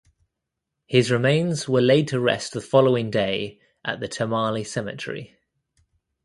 His remains were laid to rest the following day at the Tamale Cemetery.